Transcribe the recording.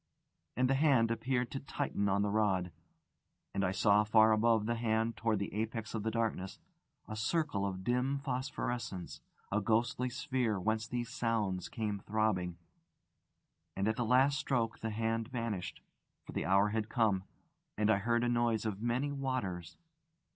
And the Hand appeared to tighten on the rod. And I saw far above the Hand, towards the apex of the darkness, a circle of dim phosphorescence, a ghostly sphere whence these sounds came throbbing; and at the last stroke the Hand vanished, for the hour had come, and I heard a noise of many waters.